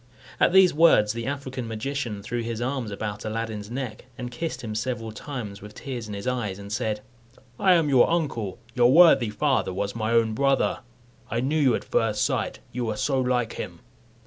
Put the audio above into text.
At these words the African magician threw his arms about Aladdin's neck, and kissed him several times, with tears in his eyes, and said, "I am your uncle. Your worthy father was my own brother. I knew you at first sight, you are so like him."